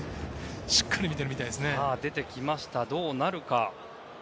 しっかり見ているみたいですね。